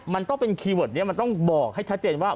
มันต้องเป็นคีย์เวิร์ดนี้มันต้องบอกให้ชัดเจนว่า